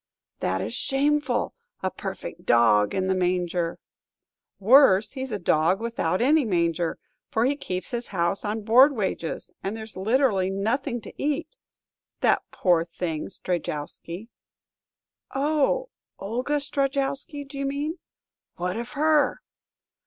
"That is shameful; a perfect dog in the manger!" "Worse; he 's a dog without any manger! For he keeps his house on board wages, and there's literally nothing to eat! That poor thing, Strejowsky." "Oh, Olga Strejowsky, do you mean? What of her?"